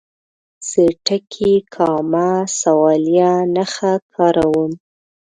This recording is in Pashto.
زه ټکي، کامه، سوالیه نښه کاروم.